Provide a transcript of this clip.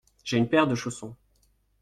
J’ai une paire de chaussons.